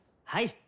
はい。